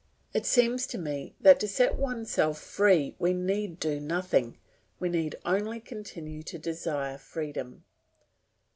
It seems to me that to set oneself free we need do nothing, we need only continue to desire freedom.